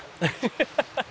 ハハハハ！